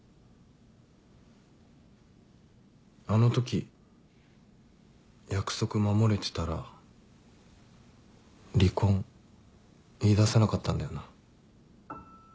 あのとき約束守れてたら離婚言いださなかったんだよな？